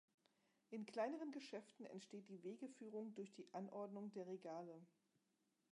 In kleineren Geschäften entsteht die Wegeführung durch die Anordnung der Regale.